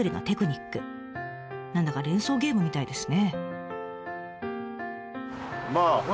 何だか連想ゲームみたいですね。